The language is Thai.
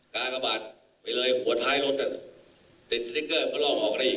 กากบาทไปเลยหัวท้ายรถติดสติ๊กเกอร์มาลอกออกได้อีก